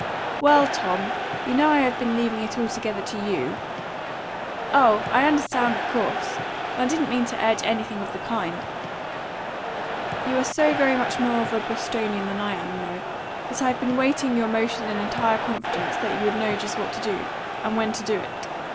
"Well, Tom, you know I have been leaving it altogether to you " "Oh, I understand, of course, and I didn't mean to urge anything of the kind " "You are so very much more of a Bostonian than I am, you know, that I've been waiting your motion in entire confidence that you would know just what to do, and when to do it.